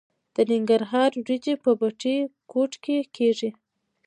د ننګرهار وریجې په بټي کوټ کې کیږي.